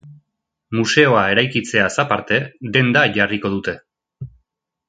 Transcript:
Museoa eraikitzeaz aparte denda jarriko dute.